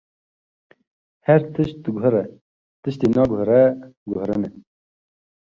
Her tişt diguhere, tiştê naguhere, guherîn e.